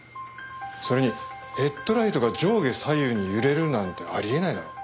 それにヘッドライトが上下左右に揺れるなんてあり得ないだろう。